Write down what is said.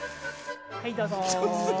はいどうぞ。